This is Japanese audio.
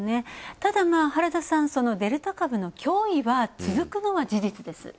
ただ、原田さん、デルタ株の脅威が続くのは事実です。